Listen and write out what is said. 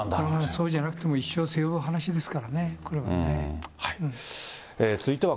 そうじゃなくても一生背負う話ですからね、これはね。